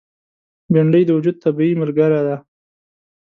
بېنډۍ د وجود طبیعي ملګره ده